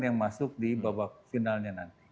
yang masuk di babak finalnya nanti